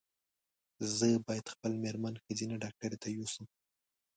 زه باید خپل مېرمن ښځېنه ډاکټري ته یو سم